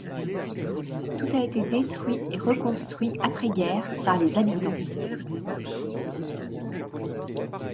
Tout a été détruit et reconstruit après guerre par les habitants.